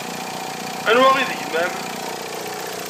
Anwa i d gma-m?